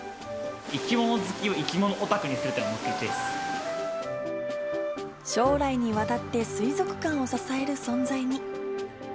生き物好きを生き物オタクに将来にわたって水族館を支える存在に。